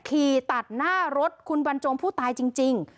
ขี่ตัดหน้ารถคุณบรรจงผู้ตายจริง